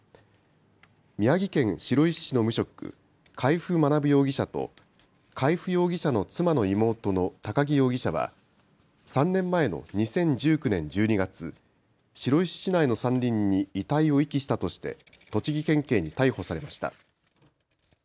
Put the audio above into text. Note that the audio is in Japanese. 宮城県白石市の無職海部学容疑者と海部容疑者の妻の妹の高木容疑者は３年前の２０１９年１２月白石市内の山林に遺体を遺棄したとして栃木県警に逮捕されました。